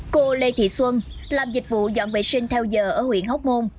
cô lê thị xuân làm dịch vụ dọn vệ sinh theo giờ ở huyện hóc môn